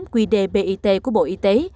quy đề bit của bộ y tế